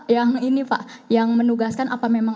yang ini pak yang menugaskan apa memang